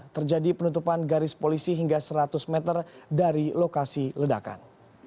terjadi penutupan garis polisi hingga seratus meter dari lokasi ledakan